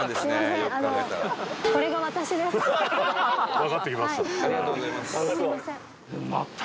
わかってきました。